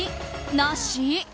なし？